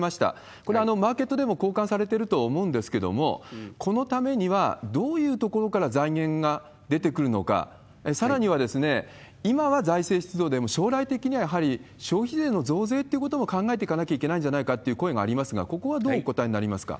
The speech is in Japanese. これ、マーケットでも交換されてると思うんですけれども、このためには、どういうところから財源が出てくるのか、さらには、今は財政出動でも、将来的にはやはり消費税の増税ってことも考えていかなきゃいけないっていう声もありますが、ここはどうお答えになりますか？